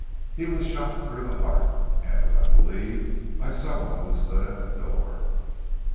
He was shot through the heart, and as I believe, by someone who stood at the door.